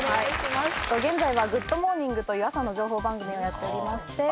現在は『グッド！モーニング』という朝の情報番組をやっておりまして。